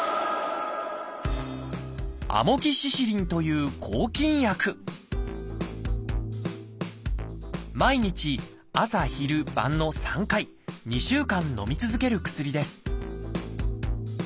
「アモキシシリン」という抗菌薬毎日朝昼晩の３回２週間のみ続ける薬です